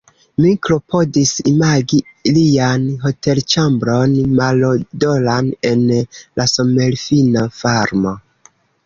Mi klopodis imagi alian hotelĉambron, marodoran, en la somerfina varmo.